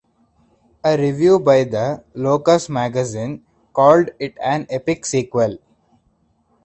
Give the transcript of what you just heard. A review by the "Locus Magazine" called it an epic sequel.